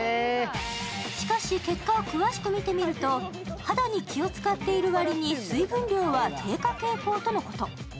しかし、結果を詳しく見てみると肌に気を遣っている割に水分量は低下傾向とのこと。